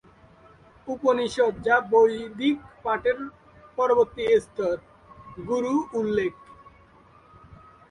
উপনিষদ, যা বৈদিক পাঠের পরবর্তী স্তর, গুরু উল্লেখ।